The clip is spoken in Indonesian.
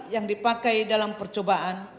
yang dipakai dalam percobaan